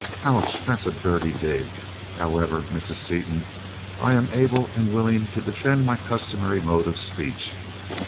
"Ouch! That's a dirty dig. However, Mrs. Seaton, I am able and willing to defend my customary mode of speech.